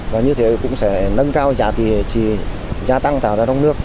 và như thế cũng sẽ nâng cao giá tăng tạo ra đông nước